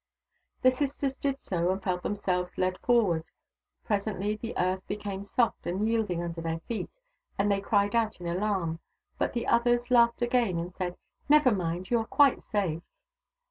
The sisters did so, and felt themselves led forward. Presently the earth became soft and yielding under their feet, and they cried out in alarm, but the others laughed again, and said, " Never mind, you are quite .safe."